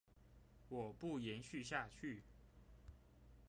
我不延續下去